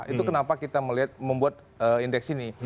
itu kenapa kita melihat membuat indeks ini